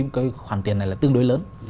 khoản tiền này là tương đối lớn